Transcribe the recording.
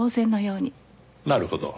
なるほど。